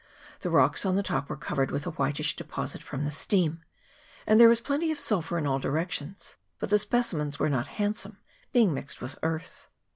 The rocks on the top were covered with a whitish deposit from the stream, and there was plenty of sulphur in all directions, but the specimens were not handsome, being mixed with earth.